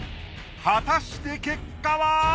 果たして結果は？